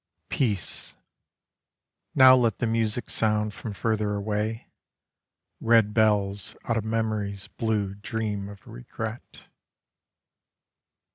Peace: now let the music Sound from further away, Red bells out of memory's Blue dream of regret.